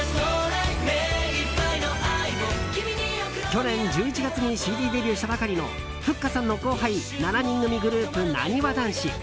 去年１１月にＣＤデビューしたばかりのふっかさんの後輩７人組グループなにわ男子。